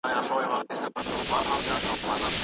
عضوي مرکبات په ځینو اسټروېډونو کې موندل شوي.